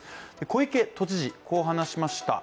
小池都知事、こう話しました。